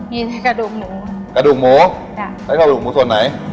มีกระดูกหมูกระดูกหมูจ้ะใช้กระดูกหมูส่วนไหน